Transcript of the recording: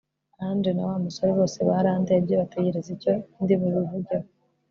Angel na wa musore bose barandebye bategereje icyo ndi bubivugeho